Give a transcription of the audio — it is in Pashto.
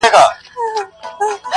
دا له زمان سره جنګیږي ونه؛